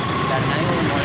hanya jam saat ini